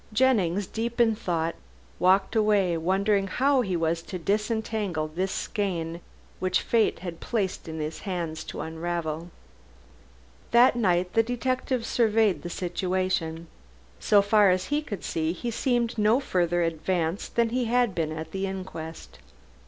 Jennings, deep in thought, walked away, wondering how he was to disentangle the skein which Fate had placed in his hand to unravel. That night the detective surveyed the situation. So far as he could see, he seemed no further advanced than he had been at the inquest.